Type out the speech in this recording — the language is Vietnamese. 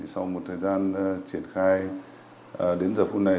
sau một thời gian triển khai đến giờ phút này